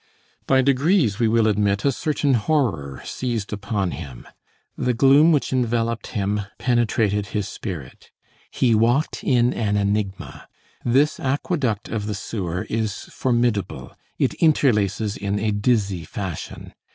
By degrees, we will admit, a certain horror seized upon him. The gloom which enveloped him penetrated his spirit. He walked in an enigma. This aqueduct of the sewer is formidable; it interlaces in a dizzy fashion.